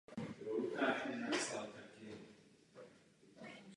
Následující čtyři sezóny hrál v nižších kanadských soutěžích.